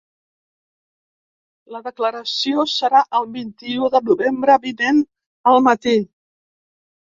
La declaració serà el vint-i-u de novembre vinent al matí.